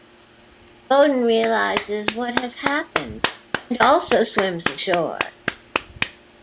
Bowden realizes what has happened, and also swims ashore.